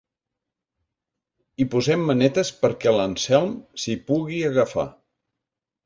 Hi posem manetes perquè l'Anselm s'hi pugui agafar.